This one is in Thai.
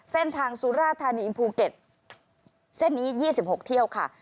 เส้นทางสุราธานีภูเก็ตเส้นนี้๒๖เที่ยวค่ะ